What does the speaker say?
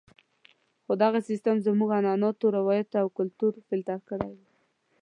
خو دغه سیستم زموږ عنعناتو، روایاتو او کلتور فلتر کړی وو.